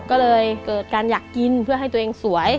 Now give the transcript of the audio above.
ก็เลยเกิดการอยากกินเพื่อให้ตัวเองสวย